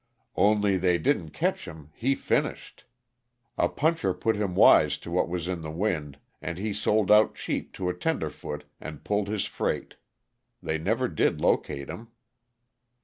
"Only they didn't catch him" he finished. "A puncher put him wise to what was in the wind, and he sold out cheap to a tenderfoot and pulled his freight. They never did locate him."